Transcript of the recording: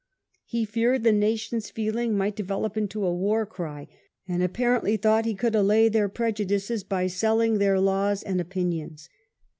He feared the nation's feeling might develop into a war cry, and apparently thought he could allay their prejudices by selling their laws and opinions.